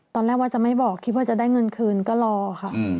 ตอนแรกว่าจะไม่บอกคิดว่าจะได้เงินคืนก็รอค่ะ